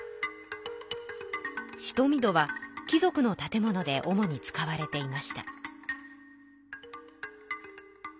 しとみ戸は貴族の建物で主に使われていました。